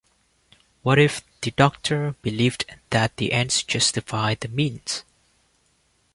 What if... the Doctor believed that the ends justified the means?